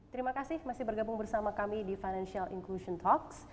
terima kasih masih bergabung bersama kami di financial inclusion talks